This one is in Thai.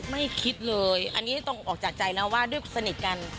ไม่คิดเลยอันนี้ต้องออกจากใจนะว่าด้วยสนิทกัน